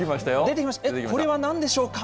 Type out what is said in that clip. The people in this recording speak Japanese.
これはなんでしょうか？